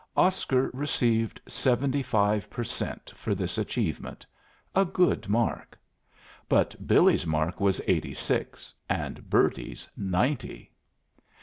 Oscar received seventy five per cent for this achievement a good mark. But Billy's mark was eighty six and Bertie's ninety.